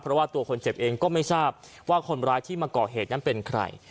เพราะว่าตัวคนเจ็บเองก็ไม่ทราบว่าคนร้ายที่มาก่อเหตุนั้นเป็นใคร